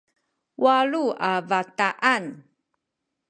walu a bataan